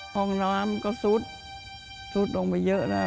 ห้องน้ำก็ซุดซุดลงไปเยอะแล้ว